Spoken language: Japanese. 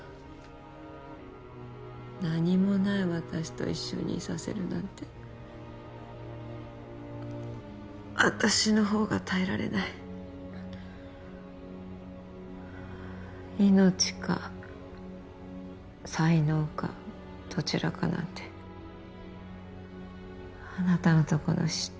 何もない私と一緒にいさせるなんて私のほうが耐えられない命か才能かどちらかなんてあなたのとこの執刀